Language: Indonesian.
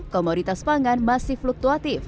komoditas pangan masih fluktuatif